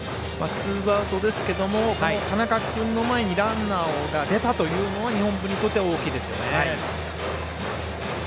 ツーアウトですけど田中君の前にランナーが出たというのは日本文理にとっては大きいですよね。